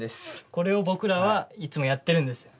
これを僕らはいつもやってるんです。